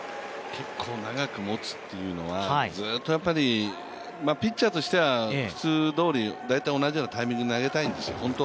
結構長く持つっていうのはずっと、ピッチャーとしては普通どおり、大体同じようなタイミングで投げたいんですよ。